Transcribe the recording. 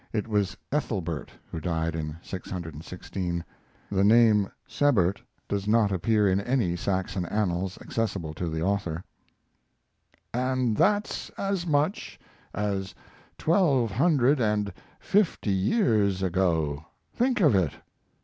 It was Ethelbert who died in 616. The name Sebert does not appear in any Saxon annals accessible to the author.] and that's as much, as twelve hundred and fifty years ago think of it!